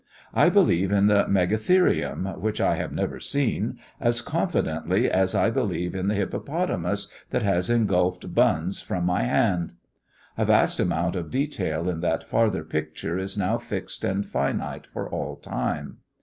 I believe in the megatherium which I have never seen as confidently as I believe in the hippopotamus that has engulfed buns from my hand. A vast amount of detail in that farther picture is now fixed and finite for all time.